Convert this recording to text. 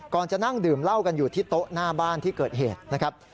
จะนั่งดื่มเหล้ากันอยู่ที่โต๊ะหน้าบ้านที่เกิดเหตุนะครับ